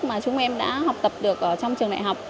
mà chúng em đã học tập được trong trường đại học